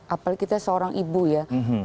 apalagi kita seorang ibu ya